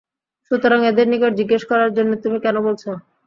সুতরাং এদের নিকট জিজ্ঞেস করার জন্যে তুমি কেন বলছ?